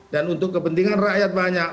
dan untuk kepentingan rakyat banyak